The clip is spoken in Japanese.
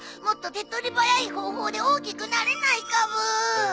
もっと手っ取り早い方法で大きくなれないかブー？